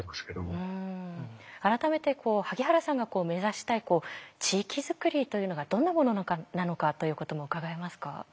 改めて萩原さんが目指したい地域づくりというのがどんなものなのかということも伺えますか？